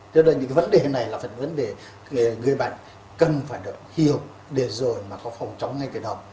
cho nên những vấn đề này là vấn đề người bệnh cần phải được hiểu để rồi có phòng chống ngay cái đầu